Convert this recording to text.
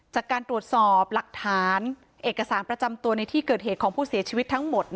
จากการตรวจสอบหลักฐานเอกสารประจำตัวในที่เกิดเหตุของผู้เสียชีวิตทั้งหมด